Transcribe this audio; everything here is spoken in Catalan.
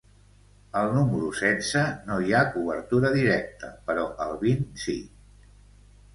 Al número setze no hi ha cobertura directa però al vint sí